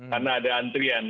karena ada antrian